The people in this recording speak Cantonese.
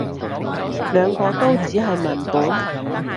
兩個都只係文本